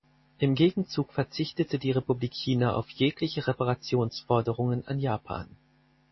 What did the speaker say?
Im Gegenzug verzichtete die Republik China auf jegliche Reparationsforderungen an Japan.